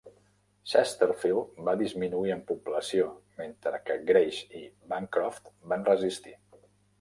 Chesterfield va disminuir en població, mentre que Grace i Bancroft van resistir.